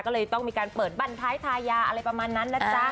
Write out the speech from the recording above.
ก็เลยต้องมีการเปิดบ้านท้ายทายาอะไรประมาณนั้นนะจ๊ะ